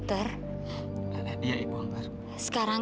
dan anda bisa mencari dia di rumah kamu sekarang